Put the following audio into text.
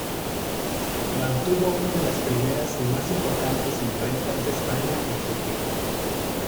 Mantuvo una de las primeras y más importantes imprentas de España de su tiempo.